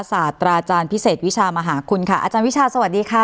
ศาสตราอาจารย์พิเศษวิชามหาคุณค่ะอาจารย์วิชาสวัสดีค่ะ